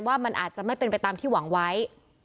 ว่ามันอาจจะไม่เป็นไปตามที่หวังไว้